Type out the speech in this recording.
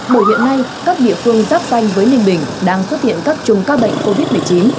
bởi hiện nay các địa phương giáp danh với ninh bình đang xuất hiện các chùm ca bệnh covid một mươi chín